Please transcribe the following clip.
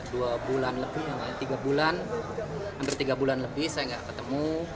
dua bulan lebih tiga bulan hampir tiga bulan lebih saya nggak ketemu